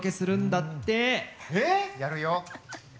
やるよ。